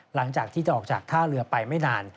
หลังจากที่จะออกจากท่าเรือไปไม่นาน